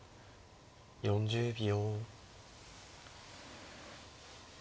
４０秒。